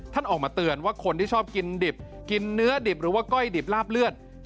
ออกมาเตือนว่าคนที่ชอบกินดิบกินเนื้อดิบหรือว่าก้อยดิบลาบเลือด